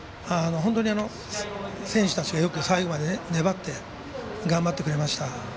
本当に選手たちがよく最後まで粘って頑張ってくれました。